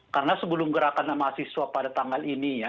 karena sebelum gerakan mahasiswa pada tanggal ini ya